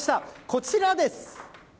こちらです。